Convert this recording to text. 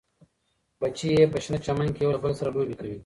بچي یې په شنه چمن کې یو له بل سره لوبې کوي.